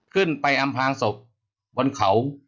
ขึ้นไปอำพลางศพบนเขา